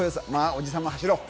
おじさんも走ろう。